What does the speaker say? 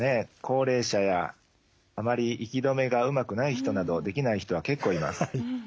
高齢者やあまり息止めがうまくない人などできない人は結構います。